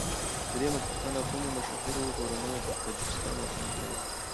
درېمه پوښتنه: کومو مشهورو کورنیو پر تاجکستان واکمني کړې ده؟